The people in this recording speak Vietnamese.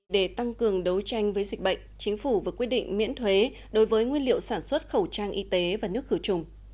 để tăng cường đấu tranh với dịch bệnh chính phủ vừa quyết định miễn thuế đối với nguyên liệu sản xuất khẩu trang y tế và nước khử trùng